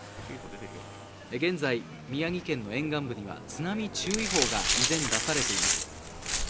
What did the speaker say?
現在、宮城県の沿岸部には津波注意報が依然、出されています。